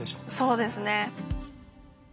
そうですね。